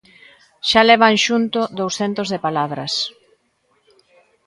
Xe levan xunto dous centos de palabras.